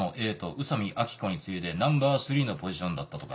宇佐美秋子に次いでナンバースリーのポジションだったとか？